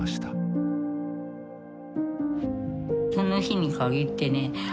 その日にかぎってね